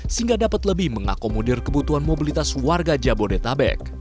sehingga dapat lebih mengakomodir kebutuhan mobilitas warga jabodetabek